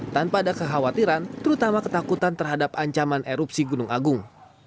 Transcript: tanpa ada kekhawatiran terutama ketakutan terhadap ancaman erupsi gunung agung